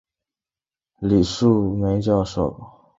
李梅树教授